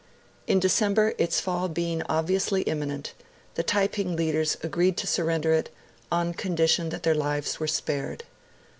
In December, its fall being obviously imminent, the Taiping leaders agreed to surrender it on condition that their lives were spared.